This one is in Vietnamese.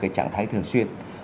cái trạng thái thường xuyên